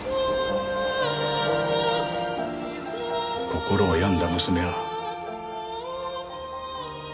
心を病んだ娘は。